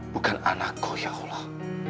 bukan anakku ya allah